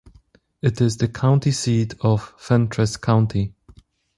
It is the county seat of Fentress County.